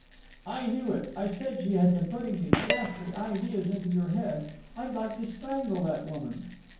"I knew it! I said she had been putting these ghastly ideas into your head. I'd like to strangle that woman."